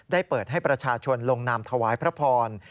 ได้เปิดให้ประชาชนลงนามถวายพระพร